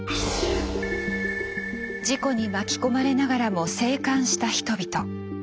事故に巻き込まれながらも生還した人々。